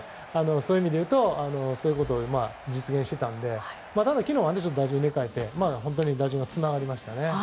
そういう意味で言うとそういうことを実現していたので昨日は打順を変えて、打順がつながりましたね。